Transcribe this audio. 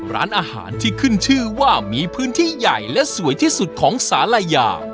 ร้านอาหารที่ขึ้นชื่อว่ามีพื้นที่ใหญ่และสวยที่สุดของสาลายา